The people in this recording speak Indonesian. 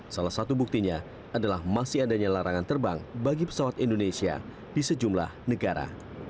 salah satu buktinya adalah masih adanya larangan terbang bagi pesawat indonesia di sejumlah negara